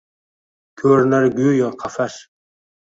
Ko‘rinar go‘yo qafas.